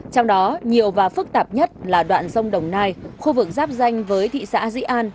trong đó nhiều và phức tạp nhất là đoạn sông đồng nai khu vực giáp danh với thị xã dĩ an